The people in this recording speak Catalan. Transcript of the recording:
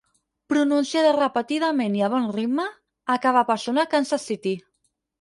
Pronunciada repetidament i a bon ritme, acaba per sonar «Kansas City».